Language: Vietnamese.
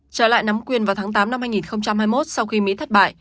trở lại nắm quyền vào tháng tám năm hai nghìn hai mươi một sau khi mỹ thất bại